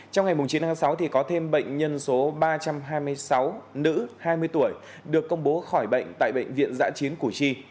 trong ngày chín tháng sáu có thêm bệnh nhân số ba trăm hai mươi sáu nữ hai mươi tuổi được công bố khỏi bệnh tại bệnh viện giã chiến củ chi